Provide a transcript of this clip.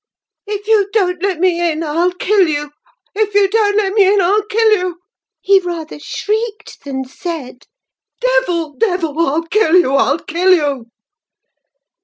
"'If you don't let me in, I'll kill you!—If you don't let me in, I'll kill you!' he rather shrieked than said. 'Devil! devil!—I'll kill you—I'll kill you!